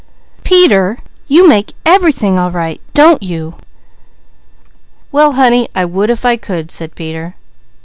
"Peter, you make everything all right, don't you?" "Well honey, I would if I could," said Peter.